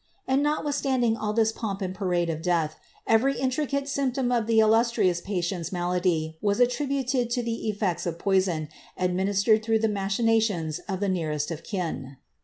And notwithstanding all this pomp and parade of death, every intricate symptom of the illustrious patient^s malady was attributed to the efiects of poison, administered through the machinations of the nearest of kin.